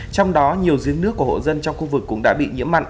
trong đó nhiều giếng nước của hộ dân trong khu vực cũng đã bị nhiễm mặn